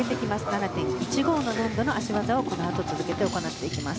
７．１５の難度の脚技を続けて行っていきます。